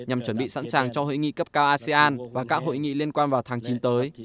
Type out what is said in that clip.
nhằm chuẩn bị sẵn sàng cho hội nghị cấp cao asean và các hội nghị liên quan vào tháng chín tới